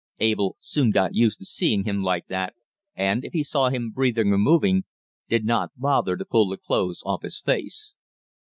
Abel soon got used to seeing him like that, and, if he saw him breathing or moving, did not bother to pull the clothes off his face.